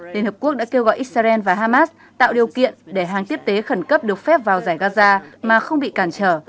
liên hợp quốc đã kêu gọi israel và hamas tạo điều kiện để hàng tiếp tế khẩn cấp được phép vào giải gaza mà không bị cản trở